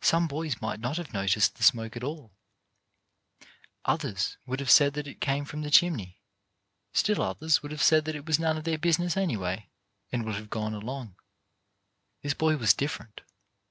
Some boys might not have noticed the smoke at all ; others would have said that it came from the chimney; still others would have said that it was none of their business anyway, and would have gone along. This boy was different.